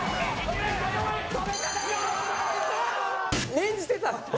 念じてたの？